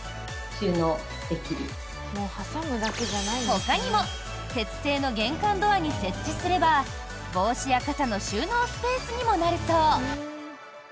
ほかにも鉄製の玄関ドアに設置すれば帽子や傘の収納スペースにもなるそう。